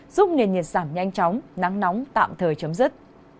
giúp nền nhiệt giảm nhanh chóng nắng nóng tạm thời chấm dứt